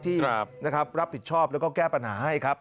ที่รับผิดชอบแล้วก็แก้ปัญหาให้ครับ